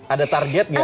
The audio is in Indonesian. ada target nggak